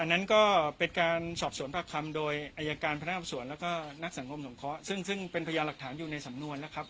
นั้นก็เป็นการสอบสวนปากคำโดยอายการพนักสวนแล้วก็นักสังคมสงเคราะห์ซึ่งเป็นพยานหลักฐานอยู่ในสำนวนนะครับ